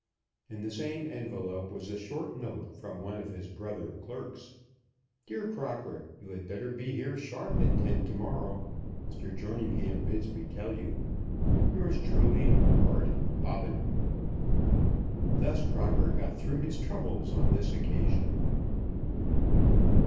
In the same envelope was a short note from one of his brother clerks. DEAR CROCKER, You had better be here sharp at ten to morrow. Mr. Jerningham bids me tell you. Yours truly, BART. BOBBIN. Thus Crocker got through his troubles on this occasion.